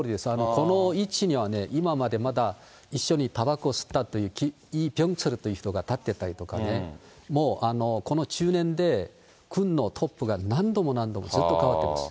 この位置にはね、今までまだ一緒にたばこ吸ったという、イ・ビョンチョルという人が立ってたりとかね、この中年で軍のトップが何度も何度もずっと代わってます。